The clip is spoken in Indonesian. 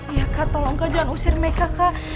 iya kak tolong kah jangan usir mereka kak